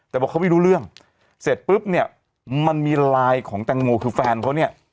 แต่บอกเขาไม่รู้เรื่องเสร็จปุ๊บเนี่ยมันมีไลน์ของแตงโมคือแฟนเขาเนี่ย